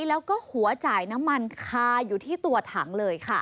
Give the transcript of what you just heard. แล้วก็หัวจ่ายน้ำมันคาอยู่ที่ตัวถังเลยค่ะ